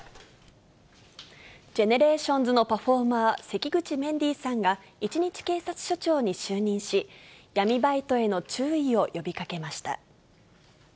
ＧＥＮＥＲＡＴＩＯＮＳのパフォーマー、関口メンディーさんが、一日警察署長に就任し、闇バイトへの注意を呼びかけました。